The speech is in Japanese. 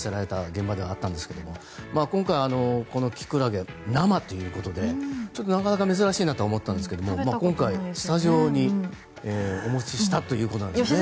現場ではあったんですが今回、このキクラゲ生ということでちょっとなかなか珍しいなとは思ったんですが今回、スタジオにお持ちしたということですね。